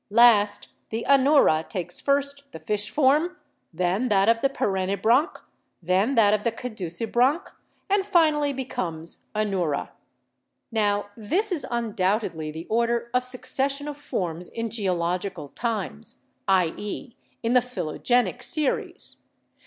Last, the anoura takes first the fish form, then that of the peren nibranch, then that of the caducibranch, and finally be comes anoura. Now, this is undoubtedly the order of suc cession of forms in geological times — i.e., in the phylogenic series.